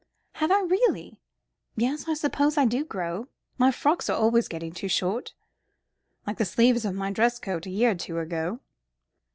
"Have I really? Yes, I suppose I do grow. My frocks are always getting too short." "Like the sleeves of my dress coats a year or two ago."